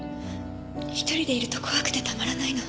１人でいると怖くてたまらないの。